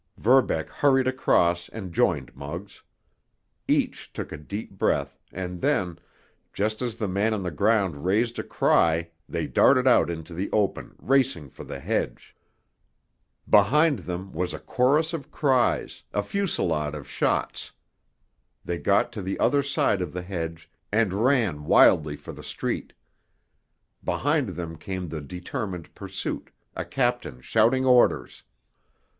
Verbeck hurried across and joined Muggs; each took a deep breath, and then, just as the man on the ground raised a cry they darted out into the open, racing for the hedge. Behind them was a chorus of cries, a fusillade of shots. They got to the other side of the hedge and ran wildly for the street. Behind them came the determined pursuit, a captain shouting orders.